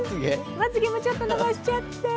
まつげもちょっと伸ばしちゃった。